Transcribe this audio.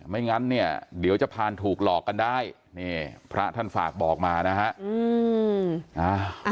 ไม่งั้นเนี่ยเดี๋ยวจะผ่านถูกหลอกกันได้นี่พระท่านฝากบอกมานะฮะ